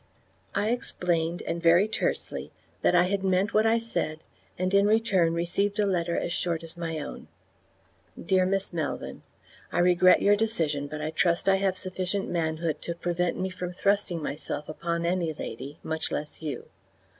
. I explained, and very tersely, that I had meant what I said, and in return received a letter as short as my own: DEAR MISS MELVYN, I regret your decision, but trust I have sufficient manhood to prevent me from thrusting myself upon any lady, much less you.